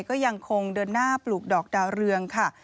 ก็ยังคงเดินหน้าปลูกดอกดาวเรืองค่ะ